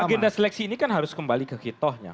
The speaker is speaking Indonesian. agenda seleksi ini kan harus kembali ke hitohnya